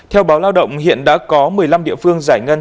theo báo lao động hiện đã có một mươi năm địa phương giải ngân